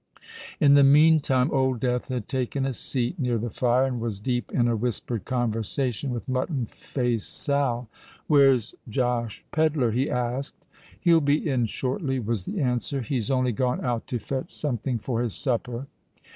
In the mean time Old Death had taken a seat near the fire, and was deep in a whispered conversation with Mutton Face Sal. "Where's Josh Pedler?" he asked. "He'll be in shortly," was the answer. "He's only gone out to fetch something for his supper."